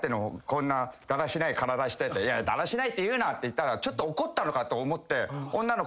こんなだらしない体して」いやだらしないって言うな！って言ったらちょっと怒ったのかと思って。